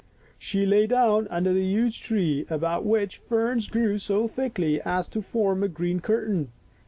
She lay down under the huge tree about which ferns grew so thickly as to form a green curtain.